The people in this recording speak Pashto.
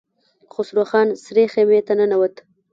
خسرو خان سرې خيمې ته ننوت.